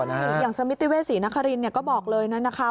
อย่างเซอร์มิติเวสีนครินทร์ก็บอกเลยนะคะ